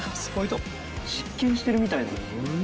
実験してるみたい。